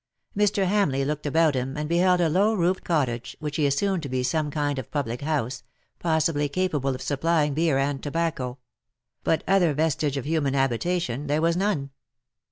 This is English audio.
Mr. Hamleigh looked about him, and beheld a low roofed cottage, which he assumed to be some kind of public house, possibly capable of supplying beer and tobacco ; but other vestige of human habitation there was none.